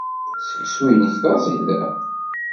Seksu-nnek d aẓidan.